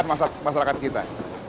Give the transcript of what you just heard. dan setelah itu masyarakat kita